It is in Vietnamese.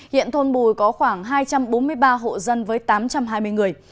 hiện thôn bùi có khoảng hai trăm bốn mươi ba hộ dân với tám trăm hai mươi người